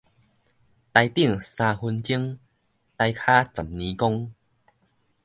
台頂三分鐘，台跤十年功